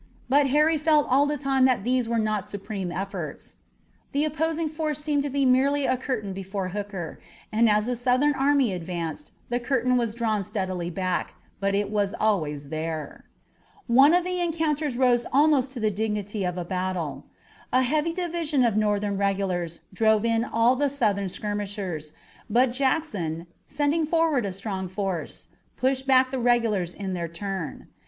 But Harry felt all the time that these were not supreme efforts. The opposing force seemed to be merely a curtain before Hooker, and as the Southern army advanced the curtain was drawn steadily back, but it was always there. One of the encounters rose almost to the dignity of a battle. A heavy division of Northern regulars drove in all the Southern skirmishers, but Jackson, sending forward a strong force, pushed back the regulars in their turn.